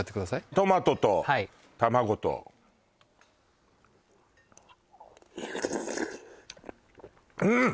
トマトと卵とうん！